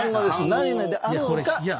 何々であろうか？